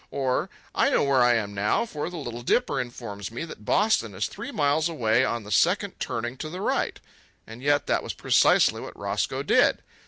or "I know where I am now, for the Little Dipper informs me that Boston is three miles away on the second turning to the right"? And yet that was precisely what Roscoe did.